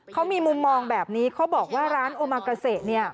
เขามีมุมมองแบบนี้เขาบอกว่าร้านโอมากาเซเนี่ย